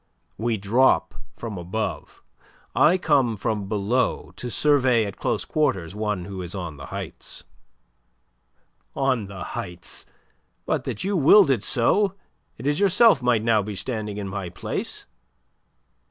"We drop from above. I come from below to survey at close quarters one who is on the heights." "On the heights! But that you willed it so, it is yourself might now be standing in my place."